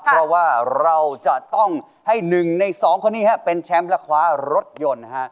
เพราะว่าเราจะต้องให้หนึ่งในสองคนนี้ฮะเป็นแชมป์ละขวารถยนต์ฮะ